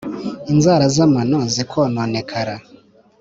Inzara z'amano zikwononekara